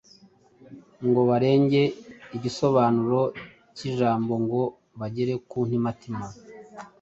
ngo barenge igisobanuro cy‟ijambo ngo bagere ku ntimatima